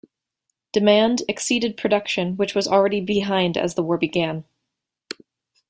Demand exceeded production, which was already behind as the war began.